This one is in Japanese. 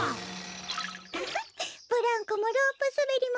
フフッブランコもロープすべりもひさしぶり。